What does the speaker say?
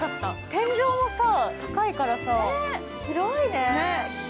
天井も高いからさ、広いね。